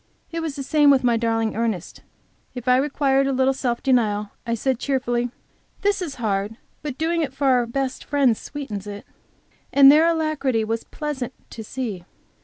It was the same with my darling Ernest. If I required a little self denial, I said cheerfully, "This is hard, but doing it for our best Friend sweetens it," and their alacrity was pleasant to see.